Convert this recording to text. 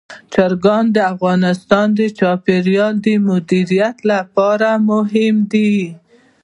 چرګان د افغانستان د چاپیریال د مدیریت لپاره مهم دي.